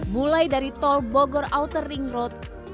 mulai dari tol bogor outer ring road